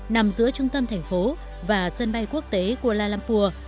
nằm giữa trung tâm thành phố và sân bay quốc tế kuala lumpur